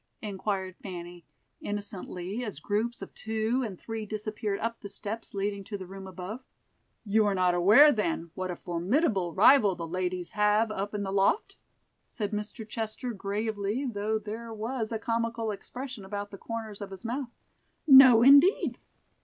inquired Fanny, innocently, as groups of two and three disappeared up the steps leading to the room above. "You are not aware, then, what a formidable rival the ladies have up in the loft?" said Mr. Chester, gravely, though there was a comical expression about the corners of his mouth. "No, indeed."